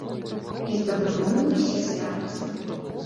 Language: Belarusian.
І з дабрынёй усе ставяцца.